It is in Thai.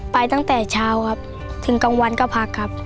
ไปตั้งแต่เช้าครับถึงกลางวันก็พักครับ